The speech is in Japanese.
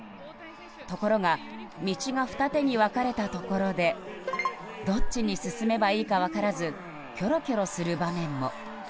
ところが道が二手に分かれたところでどっちに進めばいいか分からずキョロキョロする場面も。